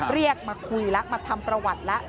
เรียกมาคุยแล้วมาทำประวัติแล้ว